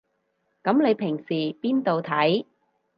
噉你平時邊度睇